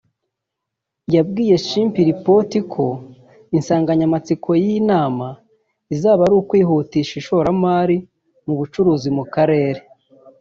yabwiye Chimpreports ko insanganyamatsiko y’iyi nama izaba ari “Kwihutisha ishoramari mu bucuruzi mu karere”